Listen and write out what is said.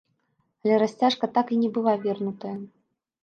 Але расцяжка так і не была вернутая.